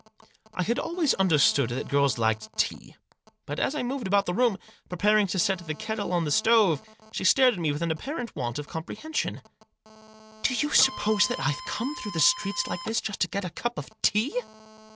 I had always understood that girls liked tea. But, as I moved about the room, preparing to set the kettle on the stove, she stared at me with an apparent want of comprehension. " Do you suppose that I've come through the streets like this just to get a cup of tea